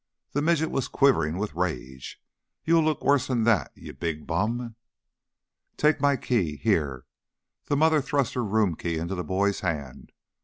The midget was quivering with rage. "You'll look worse 'n that, you you big bum!" "Take my key. Here!" The mother thrust her room key into the boy's hand.